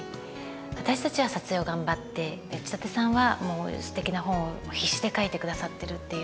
私たちは撮影を頑張って内館さんはすてきな本を必死で書いてくださってるっていう。